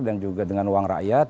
dan juga dengan uang rakyat